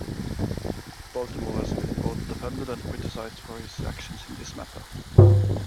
Baltimore has been both defended and criticized for his actions in this matter.